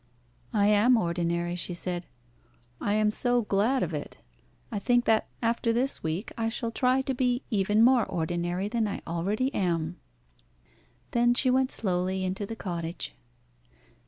"I am ordinary," she said. "I am so glad of it. I think that after this week I shall try to be even more ordinary than I already am." Then she went slowly into the cottage.